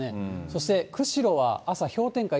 そして釧路は朝、氷点下